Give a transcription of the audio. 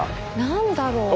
何だろう？